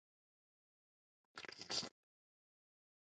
علامه حبيبي د حقایقو روښانه کولو ته ژمن و.